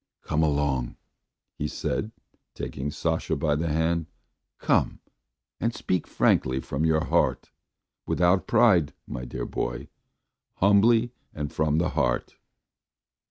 "Come along," he said, taking Sasha by the hand. "Come and speak frankly from your heart. Without pride, my dear boy, humbly and from your heart."